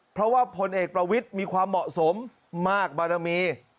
เพราะว่าพลเอกประวิทย์มีความเหมาะสมมากบารมี